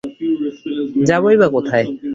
যাবোই বা কোথায়?